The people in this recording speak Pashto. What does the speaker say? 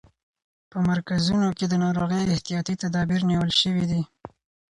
په مرکزونو کې د ناروغۍ احتیاطي تدابیر نیول شوي دي.